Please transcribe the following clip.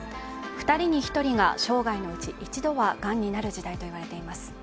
２人に１人が生涯のうち、がんになる時代と言われています。